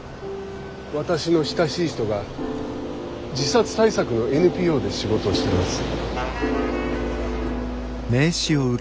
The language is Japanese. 私の親しい人が自殺対策のＮＰＯで仕事をしてます。